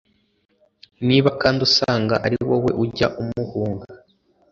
niba kandi usanga ari wowe ujya umuhunga